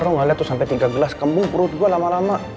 orang gak lihat tuh sampai tiga gelas kembung perut gue lama lama